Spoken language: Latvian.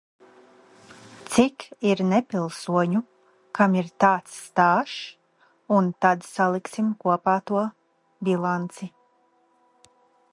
Cik ir nepilsoņu, kam ir tāds stāžs, un tad saliksim kopā to bilanci.